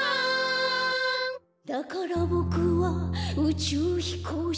「だからボクはうちゅうひこうしになりたいと」